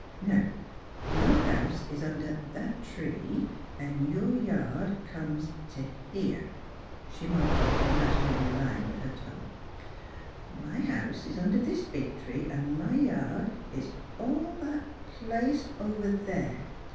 Now your house is under that tree, an' your yard conies to here." She marked off an imaginary Hne with her toe. *' My house is under this big tree, and my yard is all that place over there.